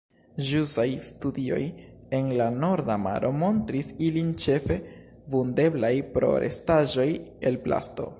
Ĵusaj studioj en la Norda Maro montris ilin ĉefe vundeblaj pro restaĵoj el plasto.